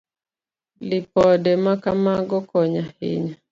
Lipode ma kamago konyo ahinya.